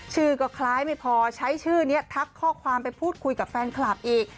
ชื่อก็คล้ายไม่พอใช้ชื่อนี้ทักข้อความไปพูดคุยกับแฟนคลับอีก